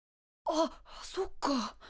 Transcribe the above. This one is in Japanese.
あっそっか。